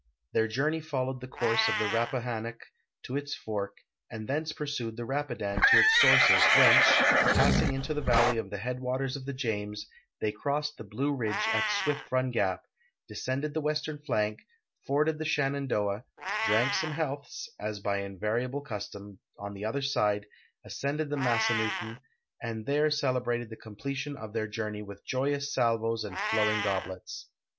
Their journey followed the course of the Ra])pahannock to its fork, and thence pursued the Rapidau to its sources, whence, passing into the valley of the headwaters of the James, they crossed the Blue Ridge at Swift Run gap, de scended the western flank, forded the Shenandoah, " drank some healths," as by invariable custom, on the other side, ascended the Massanutten, and there celebrated the completion of their journey with joyous salvos and flowing goblets.